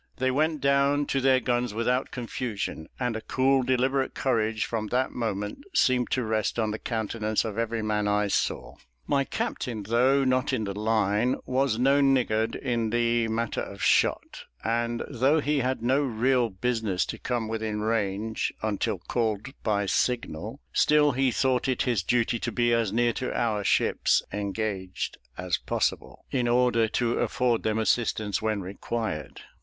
They went down to their guns without confusion; and a cool, deliberate courage from that moment seemed to rest on the countenance of every man I saw. My captain, though not in the line, was no niggard in the matter of shot, and though he had no real business to come within range until called by signal, still he thought it his duty to be as near to our ships engaged as possible, in order to afford them assistance when required.